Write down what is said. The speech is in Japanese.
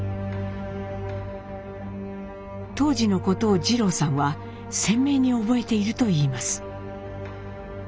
当時のことを二朗さんは鮮明に覚えているといいます。